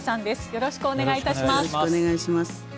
よろしくお願いします。